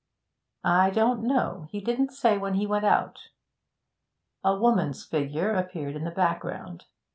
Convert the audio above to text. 'I don't know. He didn't say when he went out.' A woman's figure appeared in the background.